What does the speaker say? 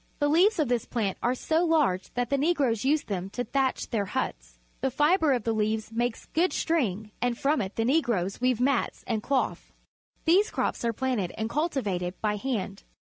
The leaves of this plant are so large that the Negroes use them to thatch their huts. The fibre of the leaves makes good string, and from it the Negroes weave mats and cloth. These crops are planted and cultivated by hand.